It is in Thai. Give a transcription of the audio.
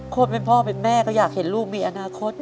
คนเป็นพ่อเป็นแม่ก็อยากเห็นลูกมีอนาคต